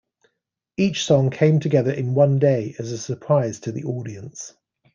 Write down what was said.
Each song came together in one day as a surprise to the audience.